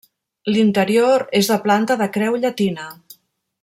L'interior és de planta de creu llatina.